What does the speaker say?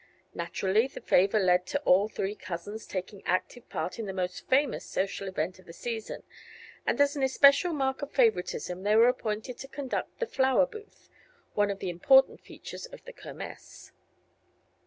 Naturally the favor led to all three cousins taking active part in the most famous social event of the season, and as an especial mark of favoritism they were appointed to conduct the "flower booth," one of the important features of the Kermess.